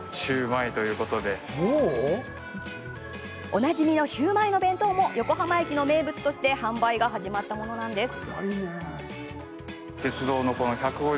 おなじみの、シューマイの弁当も横浜駅の名物として販売が始まったものなんです。